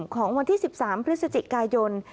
ของวันที่๑๓พฤศจิกายน